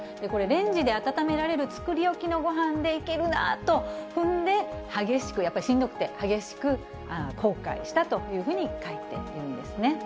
これ、レンジで温められる作り置きのごはんでいけるなぁと踏んで、激しく、やっぱりしんどくて、激しく後悔したというふうに描いているんですね。